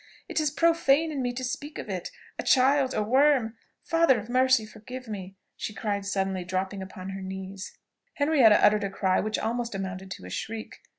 It is profane in me to speak of it, a child a worm. Father of mercy, forgive me!" she cried suddenly dropping upon her knees. Henrietta uttered a cry which almost amounted to a shriek.